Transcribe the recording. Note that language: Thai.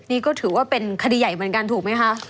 นี่ก็ถือว่าเป็นคดีใหญ่เหมือนกันถูกไหมคะ